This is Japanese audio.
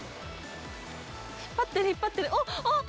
引っ張ってる、引っ張ってる。